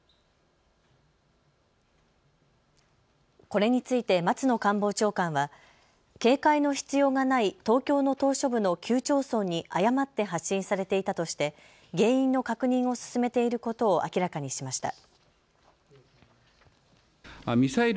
これについて松野官房長官は警戒の必要がない東京の島しょ部の９町村に誤って発信されていたとして原因の確認を進めていることを明らかにしました。